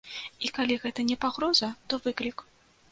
І калі гэта не пагроза, то выклік.